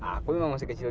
aku memang masih kecil juga